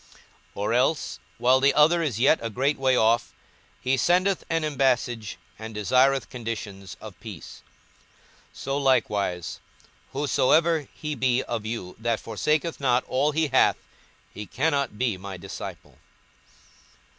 42:014:032 Or else, while the other is yet a great way off, he sendeth an ambassage, and desireth conditions of peace. 42:014:033 So likewise, whosoever he be of you that forsaketh not all that he hath, he cannot be my disciple.